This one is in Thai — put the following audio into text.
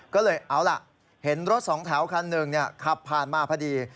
ก็เลยเอาล่ะเห็นรถสองแถวคันหนึ่งขับผ่านมาพอดี